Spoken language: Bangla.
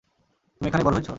তুমি এখানেই বড় হয়েছো?